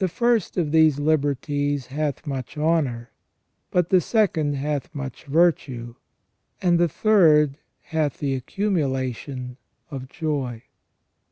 The first of these liberties hath much honour, but the second hath much virtue, and the third hath the accumulation of joy.